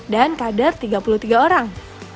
dan kader tiga puluh tiga orang